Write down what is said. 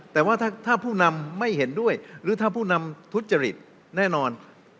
แต่ว่าถ้าผู้นำไม่เห็นด้วยหรือถ้าผู้นำทุจริตแน่นอน